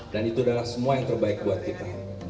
dan itu adalah semua yang terbaik buat kita